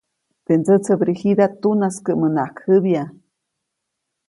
Teʼ ndsätsäbrigida tunaskäʼmänaʼajk jäbya.